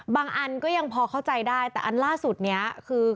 อันก็ยังพอเข้าใจได้แต่อันล่าสุดนี้คือ